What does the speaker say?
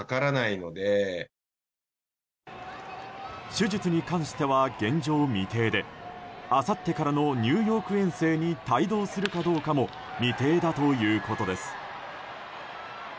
手術に関しては現状未定であさってからのニューヨーク遠征に帯同するかどうかも未定だということです。